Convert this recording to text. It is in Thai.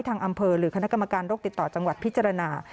ทางอำเภอหรือคณะกรรมการโรคติดต่อจังหวัดพิจารณา